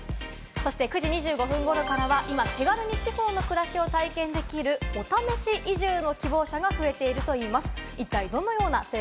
９時２５分ごろ、今、気軽に地方の暮らしを体験できるお試し移住の希望者が増えているといいます。